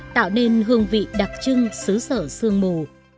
tạo nên hương vị đặc trưng xứ sở sương mù